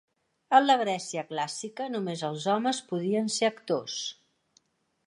En la Grècia clàssica, només els homes podien ser actors.